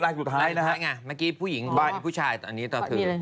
รายสุดท้ายไงเมื่อกี้ผู้หญิงผู้ชายอันนี้ตอนนี้ตอนคืน